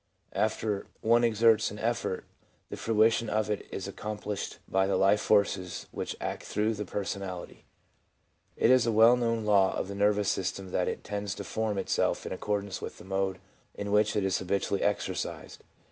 After one exerts an effort, the fruition of it is accomplished by the life forces which act through the personality. It is a well known law of the nervous system that it * tends to form itself in accordance with the mode in which it is habitually exercised.'